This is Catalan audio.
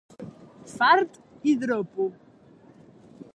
Fart i dropo.